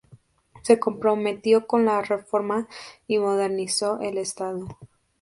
Se comprometió con la Reforma y modernizó el estado.